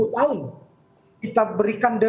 sepuluh tahun kita berikan